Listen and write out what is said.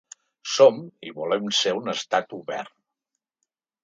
Som i volem ser un estat obert.